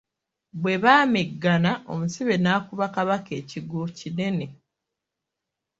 Bwe baameggana, omusibe n'akuba Kabaka ekigwo kinene.